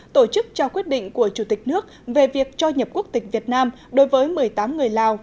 tổ chức trao quyết định của chủ tịch nước về việc cho nhập quốc tịch việt nam đối với một mươi tám người lào